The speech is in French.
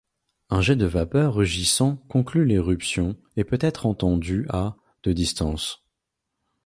Un jet de vapeur rugissant conclut l'éruption et peut être entendu à de distance.